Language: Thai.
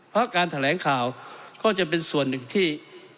เพราะการแถลงข่าวก็จะเป็นส่วนหนึ่งที่